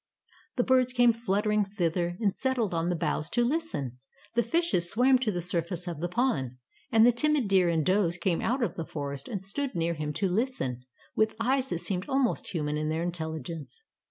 The birds came fluttering thither, and settled on the boughs to listen; the fishes swam to the surface of the pond, and the timid deer and does came out of the forest and stood near him to listen, with eyes that seemed almost human in their intelli gence.